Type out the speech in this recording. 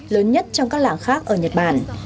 lớn nhất trong các làng khác ở nhật bản